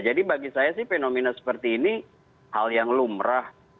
bagi saya sih fenomena seperti ini hal yang lumrah